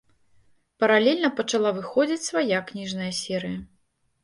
Паралельна пачала выходзіць свая кніжная серыя.